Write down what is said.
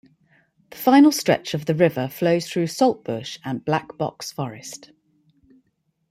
The final stretch of the river flows through saltbush and Black Box forest.